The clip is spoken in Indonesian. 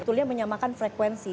betulnya menyamakan frekuensi